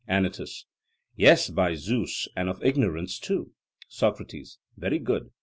ANYTUS: Yes, by Zeus, and of ignorance too. SOCRATES: Very good.